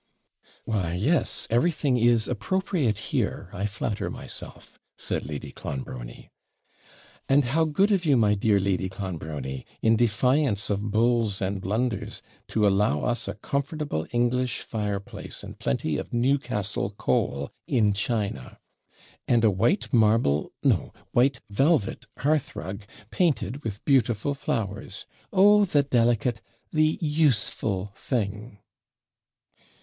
'Why yes, everything is appropriate here, I flatter myself,' said Lady Clonbrony. 'And how good of you, my dear Lady Clonbrony, in defiance of bulls and blunders, to allow us a comfortable English fireplace and plenty of Newcastle coal, in China! And a white marble no! white velvet hearthrug, painted with beautiful flowers oh, the delicate, the USEFUL thing!'